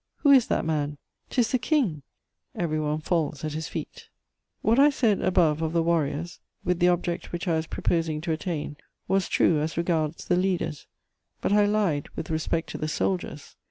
Who is that man? Tis the King! Every one falls at his feet!" [Sidenote: Return of Louis XVIII.] What I said above of the warriors, with the object which I was proposing to attain, was true as regards the leaders; but I lied with respect to the soldiers.